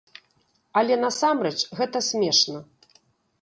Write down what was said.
Але насамрэч гэта смешна.